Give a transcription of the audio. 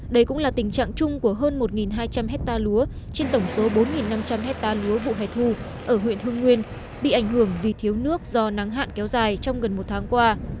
đây cũng là tình trạng chung của hơn một hai trăm linh hectare lúa trên tổng số bốn năm trăm linh hectare lúa vụ hẻ thu ở huyện hưng nguyên bị ảnh hưởng vì thiếu nước do nắng hạn kéo dài trong gần một tháng qua